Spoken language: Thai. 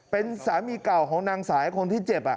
เป็นสามีเก่าของนางสายคนที่เจ็บ